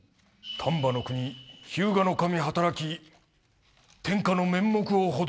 「丹波国日向守働き天下の面目をほどこし候。